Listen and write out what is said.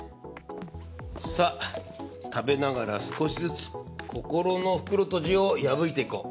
さあ食べながら少しずつ心の袋とじを破いていこう。